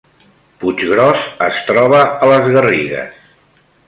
Puiggròs es troba a les Garrigues